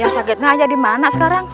sakitnya aja dimana sekarang